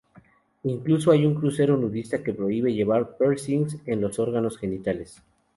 Incluso hay un crucero nudista que prohíbe llevar "piercings" en los órganos genitales.